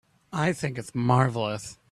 I think it's marvelous.